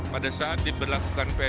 pada saat diberlakukan psbb